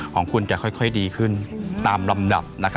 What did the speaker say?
ของคุณจะค่อยดีขึ้นตามลำดับ